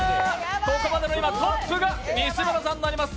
ここまでの今、トップが西村さんになります。